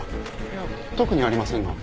いえ特にありませんが。